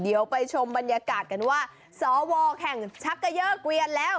เดี๋ยวไปชมบรรยากาศกันว่าสวแข่งชักเกยอร์เกวียนแล้ว